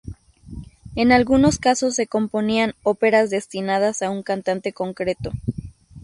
En algunos casos se componían óperas destinadas a un cantante concreto.